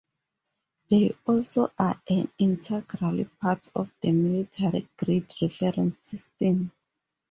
They also are an integral part of the military grid reference system.